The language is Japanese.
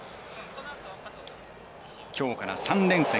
きょうから３連戦。